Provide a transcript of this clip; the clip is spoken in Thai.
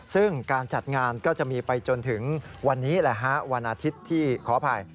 ซึ่งการจัดงานก็จะมีไปจนถึงวันนี้แหละฮะวันอาทิตย์ที่ขออภัย